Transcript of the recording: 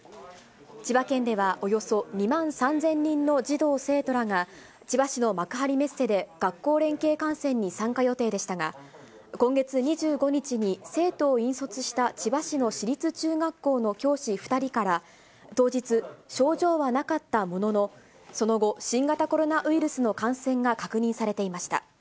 千葉県ではおよそ２万３０００人の児童・生徒らが、千葉市の幕張メッセで学校連携観戦に参加予定でしたが、今月２５日に生徒を引率した千葉市の市立中学校の教師２人から当日、症状はなかったものの、その後、新型コロナウイルスの感染が確認されていました。